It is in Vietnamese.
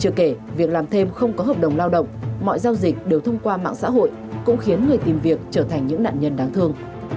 chưa kể việc làm thêm không có hợp đồng lao động mọi giao dịch đều thông qua mạng xã hội cũng khiến người tìm việc trở thành những nạn nhân đáng thương